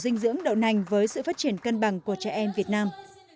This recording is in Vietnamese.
dinh dưỡng đậu nành với sự phát triển cân bằng của trẻ em việt nam